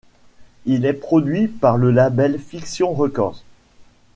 Il est produit par le label Fiction Records.